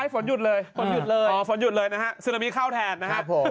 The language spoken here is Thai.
ฟ้นหยุดเลยนะครับ